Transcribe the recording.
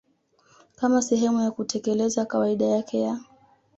kama sehemu ya kutekeleza kawaida yake ya